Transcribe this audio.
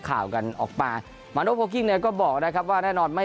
ข่าวกันออกมามาโนโพกิ้งเนี่ยก็บอกนะครับว่าแน่นอนไม่